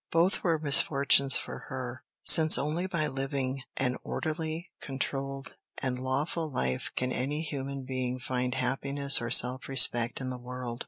Both were misfortunes for her, since only by living an orderly, controlled, and lawful life can any human being find happiness or self respect in the world.